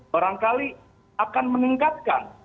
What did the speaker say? barangkali akan meningkatkan